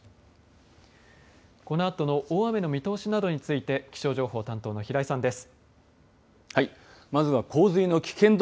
このあとの大雨の見通しなどについて気象情報担当の平井さんです。